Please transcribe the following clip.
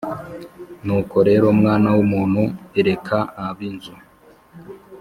Nuko rero mwana w umuntu ereka ab inzu